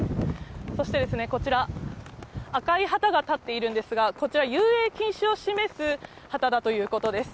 そしてですね、こちら、赤い旗が立っているんですが、こちら、遊泳禁止を示す旗だということです。